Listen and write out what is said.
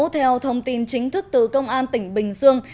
theo thông tin chính thức từ công an tỉnh bình dương